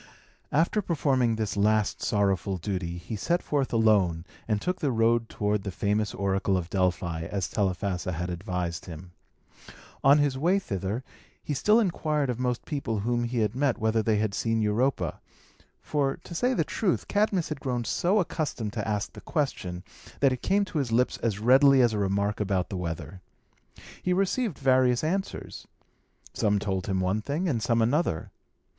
After performing this last sorrowful duty, he set forth alone, and took the road toward the famous oracle of Delphi, as Telephassa had advised him. On his way thither, he still inquired of most people whom he met whether they had seen Europa; for, to say the truth, Cadmus had grown so accustomed to ask the question, that it came to his lips as readily as a remark about the weather. He received various answers. Some told him one thing, and some another.